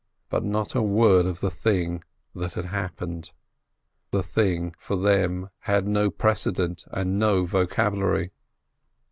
But not a word of the thing that had happened. The thing, for them, had no precedent, and no vocabulary.